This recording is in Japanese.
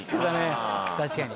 確かに。